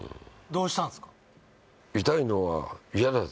どうしたんすか？